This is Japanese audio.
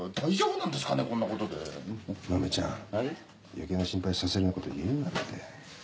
余計な心配させるようなこと言うなって。